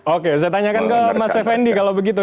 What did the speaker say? oke saya tanyakan ke mas effendi kalau begitu